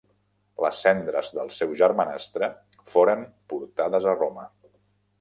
Les cendres del seu germanastre foren portades a Roma.